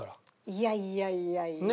いやいやいやいや。